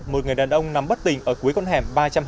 một người đàn ông nằm bất tình ở cuối con hẻm